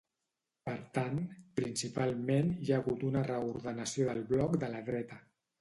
Per tant, principalment hi ha hagut una reordenació del bloc de la dreta.